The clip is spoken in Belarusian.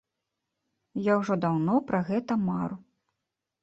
Я ўжо даўно пра гэта мару.